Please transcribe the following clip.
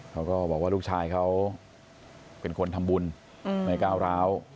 เขาก็บอกว่าลูกชายเขาเป็นคนทำบุญไม่ก้าวร้าว